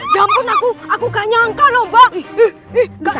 jampon aku aku nggak nyangka lho mbak